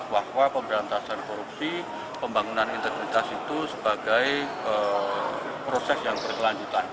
bahwa pemberantasan korupsi pembangunan integritas itu sebagai proses yang berkelanjutan